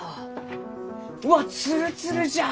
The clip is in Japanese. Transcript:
うわっツルツルじゃ！